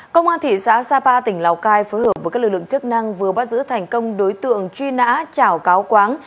công an thị xã sapa tỉnh lào cai phối hợp với các lực lượng chức năng vừa bắt giữ thành công đối tượng truy nã trảo cáo quán